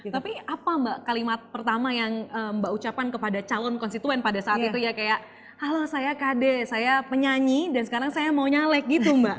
tapi apa mbak kalimat pertama yang mbak ucapkan kepada calon konstituen pada saat itu ya kayak halo saya kade saya penyanyi dan sekarang saya mau nyalek gitu mbak